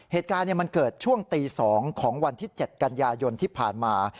เหตุการณ์มันเกิดช่วงตี๒ของวันที่๗กันยายนที่ผ่านมา